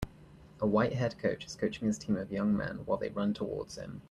A whitehaired coach is coaching his team of young men while they run towards him.